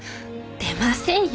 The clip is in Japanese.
出ませんよ